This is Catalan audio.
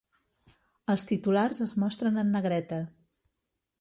Els titulars es mostren en negreta.